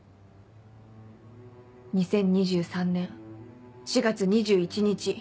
２０２３年４月２１日。